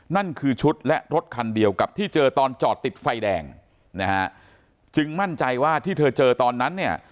นั่นคือชุดและรถคันเดียวกับที่เจอตอนจอดติดไฟแดงนะฮะจึงมั่นใจว่าที่เธอเจอตอนนั้นเนี่ย